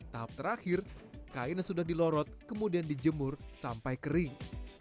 tahap terakhir kain yang sudah dilorot kemudian dijemur sampai kering